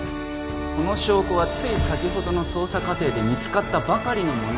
この証拠はつい先ほどの捜査過程で見つかったばかりのもの